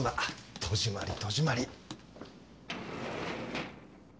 戸締まり戸締まり！